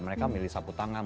mereka milih sabut tangan